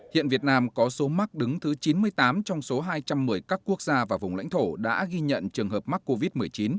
hiện việt nam có số mắc đứng thứ chín mươi tám trong số hai trăm một mươi các quốc gia và vùng lãnh thổ đã ghi nhận trường hợp mắc covid một mươi chín